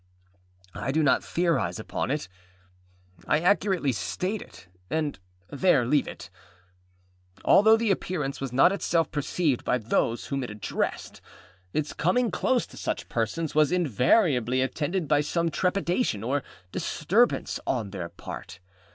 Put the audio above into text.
I do not theorise upon it; I accurately state it, and there leave it. Although the Appearance was not itself perceived by those whom it addressed, its coming close to such persons was invariably attended by some trepidation or disturbance on their part.